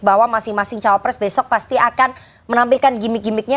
bahwa masing masing cawapres besok pasti akan menampilkan gimmick gimmicknya